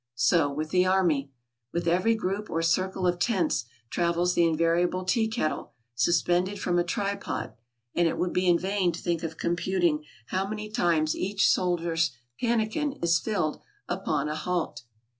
So with the army. With every group or circle of tents travels the invariable tea kettle, suspended from a tripod; and it would be in vain to think of computing how many times each soldier's pannikin is filled upon a halt.